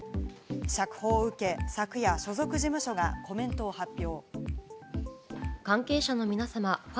釈放を受け、昨夜、所属事務所がコメントを発表。